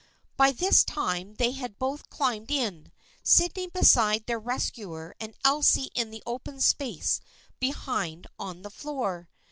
By this time they had both climbed in, Sydney beside their rescuer and Elsie in the open space be hind on the floor.